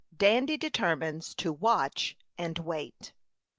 DANDY DETERMINES TO WATCH AND WAIT.